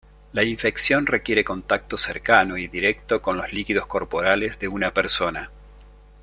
La infección requiere contacto cercano y directo con los líquidos corporales de una persona.